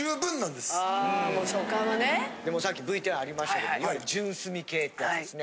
でもさっきＶＴＲありましたけどいわゆる純すみ系ってあるんですね。